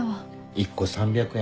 １個３００円